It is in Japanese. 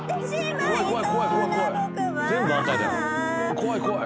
怖い怖い。